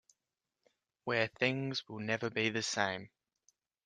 Where things will never be the same.